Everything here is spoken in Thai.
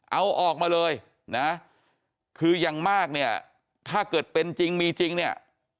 เอาออกมาเลยนะคืออย่างมากเนี่ยถ้าเกิดเป็นจริงมีจริงเนี่ย